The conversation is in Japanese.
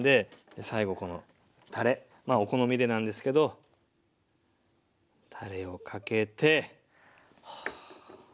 最後このたれまあお好みでなんですけどたれをかけて。